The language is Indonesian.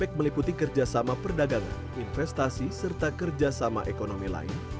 baik meliputi kerjasama perdagangan investasi serta kerjasama ekonomi lain